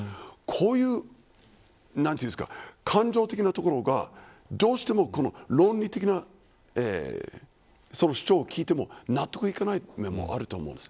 こういう感情的なところが、どうしても論理的な主張を聞いても納得いかないという面もあると思うんです。